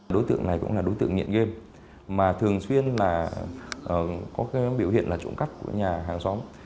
đối tượng này cũng là đối tượng nghiện game mà thường xuyên là có biểu hiện trộm cắp của nhà hàng xóm